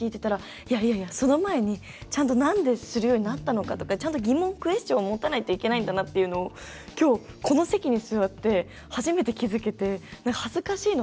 皆さんの話を聞いてたらその前に、ちゃんとなんでするようになったのかとかちゃんと疑問クエスチョンを持たないといけないんだなっていうのをきょう、この席に座って初めて気付けて。